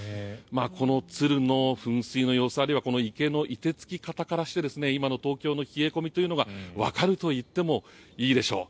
このツルの噴水の様子あるいは池の凍てつき方からして今の東京の冷え込みというのがわかると言ってもいいでしょう。